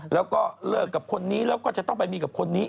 แล้วก็เลิกกับคนนี้แล้วก็จะต้องไปมีกับคนนี้